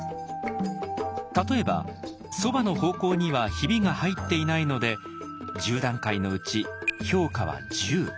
例えば「そば」の方向にはヒビが入っていないので１０段階のうち評価は１０。